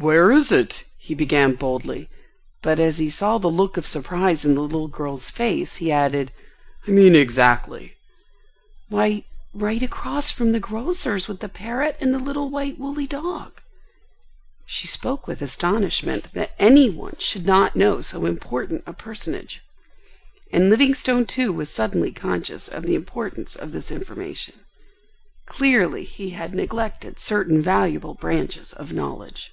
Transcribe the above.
"Where is it?" he began boldly, but as he saw the look of surprise in the little girl's face he added, "I mean—exactly?" "Why, right across from the grocer's with the parrot and the little white woolly dog." She spoke with astonishment that any one should not know so important a personage. And Livingstone, too, was suddenly conscious of the importance of this information. Clearly he had neglected certain valuable branches of knowledge.